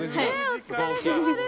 お疲れさまです！